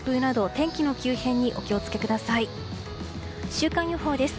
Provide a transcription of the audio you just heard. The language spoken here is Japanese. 週間予報です。